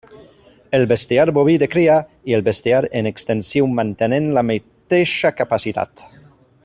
El bestiar boví de cria i el bestiar en extensiu mantenen la mateixa capacitat.